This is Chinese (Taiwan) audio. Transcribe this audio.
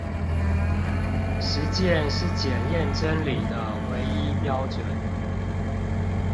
實踐是檢驗真理的唯一標準